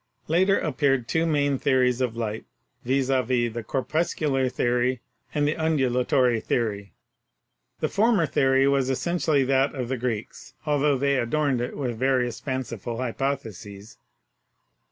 Later appeared two main theories of light, viz., the Corpuscular Theory and the Undulatory Theory. The former theory was essentially that of the Greeks, altho they adorned it with various fanciful hypotheses.